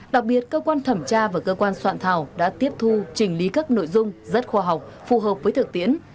đặc biệt cơ quan thẩm tra và cơ quan soạn thảo đã tiếp thu chỉnh lý các nội dung rất khoa học phù hợp với thực tiễn